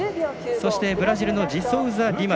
そしてブラジルのジソウザリマ。